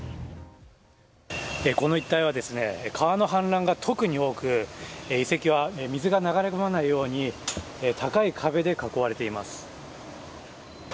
この一帯は川の氾濫が特に多く遺跡は水が流れ込まないように高い壁で囲まれています。